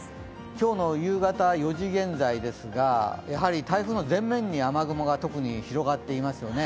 今日の夕方４時現在ですが、台風の前面に雨雲が広がっていますよね。